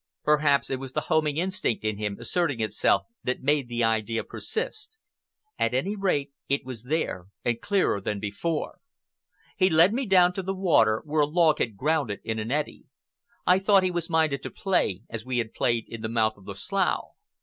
Perhaps it was the homing instinct in him asserting itself that made the idea persist. At any rate it was there, and clearer than before. He led me down to the water, where a log had grounded in an eddy. I thought he was minded to play, as we had played in the mouth of the slough.